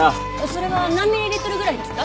それは何ミリリットルぐらいですか？